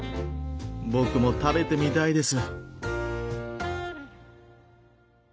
僕も食べてみたいです。